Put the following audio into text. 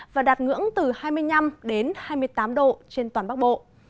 và đạt ngưỡng từ hai mươi năm đến hai mươi tám độ trên toàn bắc bộ